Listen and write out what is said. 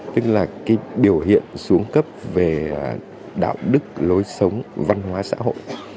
tức là cái biểu hiện xuống cấp về đạo đức lối sống văn hóa xã hội